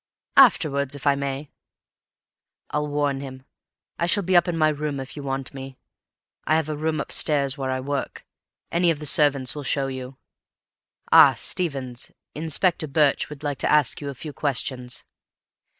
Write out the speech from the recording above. "Afterwards, if I may." "I'll warn him. I shall be up in my room, if you want me. I have a room upstairs where I work—any of the servants will show you. Ah, Stevens, Inspector Birch would like to ask you a few questions."